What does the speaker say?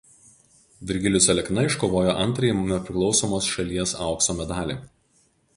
Virgilijus Alekna iškovojo antrąjį nepriklausomos šalies aukso medalį.